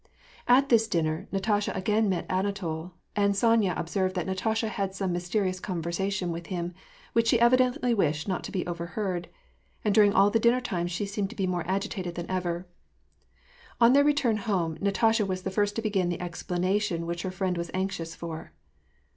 At this dinner, Natasha again met Anatol, and Sonya ob served that Natasha had some mysterious convei*sation with him, which she evidently wished not to be overheard ; and during all the dinner time she seemed to be more agitated than ever. On their return home, Natasha was the first to begin the explanation which her friend was anxious for.